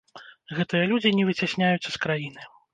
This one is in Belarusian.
Гэтыя людзі не выцясняюцца з краіны.